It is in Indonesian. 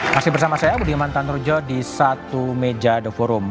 masih bersama saya budi mantan rujo di satu meja the forum